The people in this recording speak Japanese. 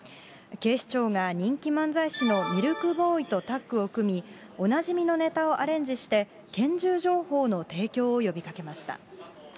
警視庁が人気漫才師のミルクボーイとタッグを組み、おなじみのネタをアレンジして、拳銃情報の提供を呼びかけました。